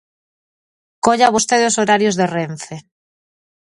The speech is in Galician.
Colla vostede os horarios de Renfe.